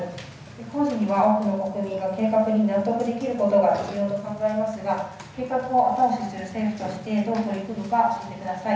工事には多くの国民が計画に納得できることが重要と考えますが、計画を後押しする政府として、お聞かせください。